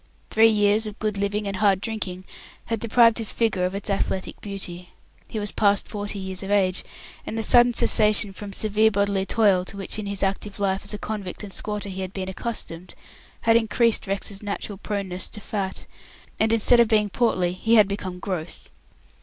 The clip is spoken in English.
Three years of good living and hard drinking had deprived his figure of its athletic beauty. He was past forty years of age, and the sudden cessation from severe bodily toil to which in his active life as a convict and squatter he had been accustomed, had increased Rex's natural proneness to fat, and instead of being portly he had become gross.